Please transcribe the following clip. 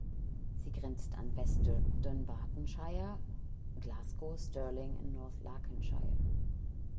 Sie grenzt an West Dunbartonshire, Glasgow, Stirling und North Lanarkshire.